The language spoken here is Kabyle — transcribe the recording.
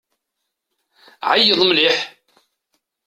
Ɛeyyeḍ mliḥ!